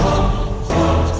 ada apaan sih